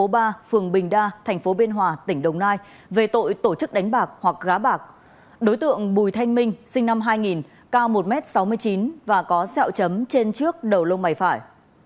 bùi thanh minh sinh năm hai nghìn cao một m sáu mươi chín và có sẹo chấm trên trước đầu lông bày phải